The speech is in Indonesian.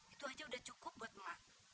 itu aja sudah cukup buat mak